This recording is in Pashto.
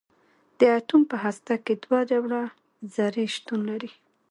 د اټوم په هسته کې دوه ډوله ذرې شتون لري.